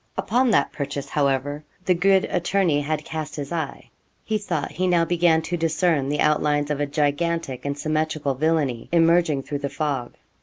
Upon that purchase, however, the good attorney had cast his eye. He thought he now began to discern the outlines of a gigantic and symmetrical villainy emerging through the fog.